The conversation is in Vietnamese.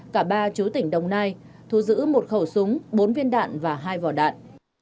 cả ba chú tỉnh đồng nai thu giữ một khẩu súng bốn viên đạn và hai vỏ đạn